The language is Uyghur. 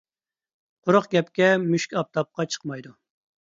قۇرۇق گەپكە مۈشۈك ئاپتاپقا چىقمايدۇ.